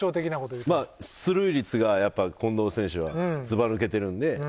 出塁率がやっぱ近藤選手はずば抜けてるんで。